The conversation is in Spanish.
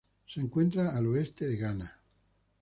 Se encuentra al oeste de Ghana.